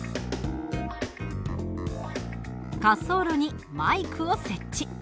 滑走路にマイクを設置。